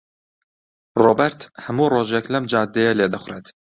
ڕۆبەرت هەموو ڕۆژێک لەم جادەیە لێدەخوڕێت.